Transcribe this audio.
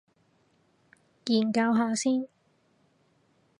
研究下先